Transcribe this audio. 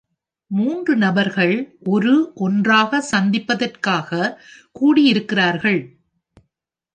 மூன்று நபர்கள் ஒரு ஒன்றாக சந்திப்பதற்காக கூடியிருக்கிறார்கள்.